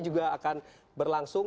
juga akan berlangsung